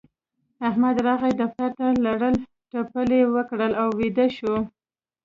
احمد راغی دفتر ته؛ لړل تپل يې وکړل او ويده شو.